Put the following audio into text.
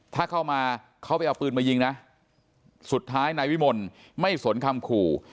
ถ้าเข้ามาเขาไปเอาปืนมายิงนะสุดท้ายนายวิมลไม่สนคำขู่